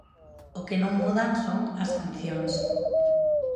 O que non mudan son as sancións.